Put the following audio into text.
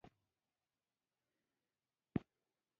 د چهلستون ماڼۍ په کابل کې ده